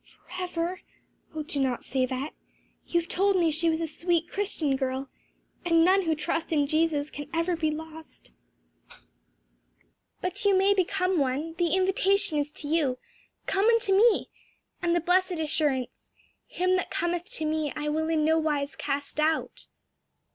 "Forever! oh do not say that! You have told me she was a sweet Christian girl, and none who trust in Jesus can ever be lost." "But to me; I am no Christian," he sighed. "But you may become one. The invitation is to you, 'Come unto me;' and the blessed assurance, 'Him that cometh unto me, I will in no wise cast out.'"